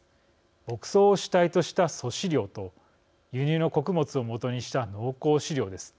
牧草を主体とした粗飼料と輸入の穀物を元にした濃厚飼料です。